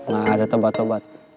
gak ada tobat tobat